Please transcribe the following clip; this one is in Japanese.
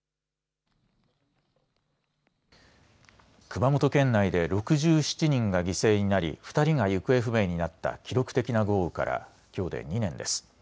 熊本県内で６７人が犠牲になり２人が行方不明になった記録的な豪雨からきょうで２年です。